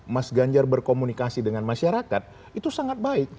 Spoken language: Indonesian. mas ganjar berkomunikasi dengan masyarakat itu sangat baik